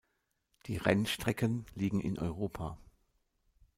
Die Rennstrecken liegen in Europa.